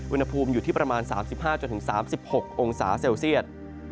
อุณหภูมิอยู่ที่ประมาณ๓๕๓๖องศาเซลเซียต